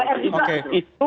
di tanung liga itu